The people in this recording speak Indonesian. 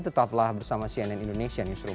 tetaplah bersama cnn indonesia newsroom